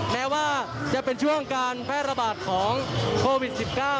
แม้ว่าจะเป็นช่วงการแพร่ระบาดของโควิด๑๙